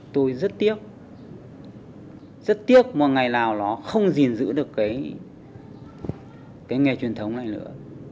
tôi rất tiếc rất tiếc mà ngày nào nó không gìn giữ được cái nghề truyền thống này nữa